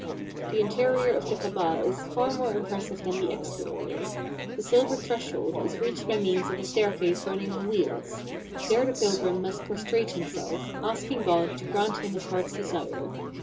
The interior of the Kabah is far more impressive than the exterior. The silver threshold is reached by means of a staircase running on wheels. There the pilgrim must prostrate himself, asking God to grant him his heart's desire.